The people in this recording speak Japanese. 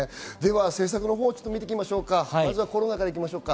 政策を見ていきましょうか。